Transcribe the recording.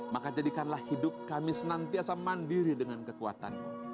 maka jadikanlah hidup kami senantiasa mandiri dengan kekuatan